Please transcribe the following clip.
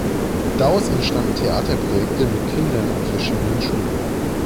Daraus entstanden Theaterprojekte mit Kindern an verschiedenen Schulen.